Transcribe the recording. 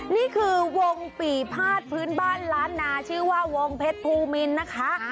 นี่คือวงปีภาษพื้นบ้านล้านนาชื่อว่าวงเพชรภูมินนะคะ